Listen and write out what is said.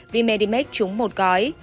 v medimax trúng một gói